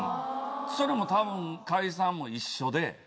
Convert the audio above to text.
それもう多分解散も一緒で。